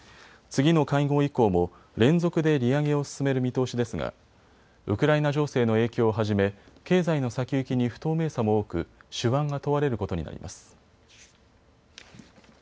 次の会合以降も連続で利上げを進める見通しですがウクライナ情勢の影響をはじめ経済の先行きに不透明さも多く、手腕が問われることになります。